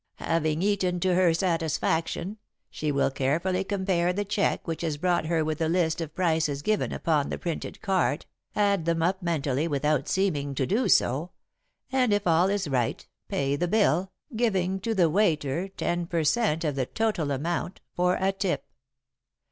"'Having eaten to her satisfaction, she will carefully compare the check which is brought her with the list of prices given upon the printed card, add them up mentally without seeming to do so, and if all is right, pay the bill, giving to the waiter ten per cent of the total amount for a tip.